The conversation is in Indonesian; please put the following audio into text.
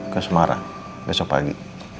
ke semarang besok pagi